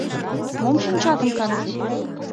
Мом шинчатым карет?